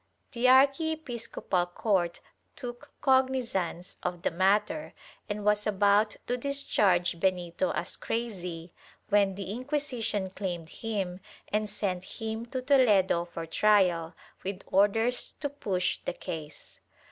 The archiepiscopal court took cognizance of the matter and was about to discharge Benito as crazy, when the Inquisition claimed him and sent him to Toledo for trial, with orders to push the case.